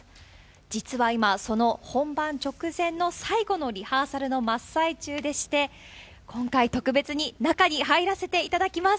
実は今、その本番直前の最後のリハーサルの真っ最中でして、今回、特別に中に入らせていただきます。